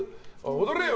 踊れよ！